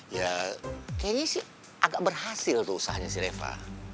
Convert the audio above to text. ya kayaknya sih agak berhasil tuh usahanya si reva